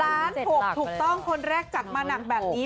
ล้านหกถูกต้องคนแรกจัดมาหนักแบบนี้